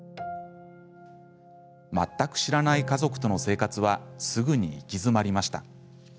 全く知らない家族との生活はすぐに行き詰まりました。